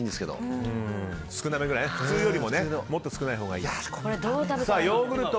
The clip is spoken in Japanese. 普通よりももっと少ないほうがいいと。